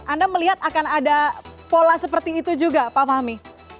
anda melihat akan ada pola seperti itu juga pak fahmi